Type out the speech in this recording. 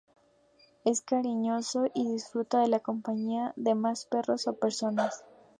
Es cariñoso y disfruta de la compañía de más perros o personas.